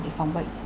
để phòng bệnh